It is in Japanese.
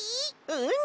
うん！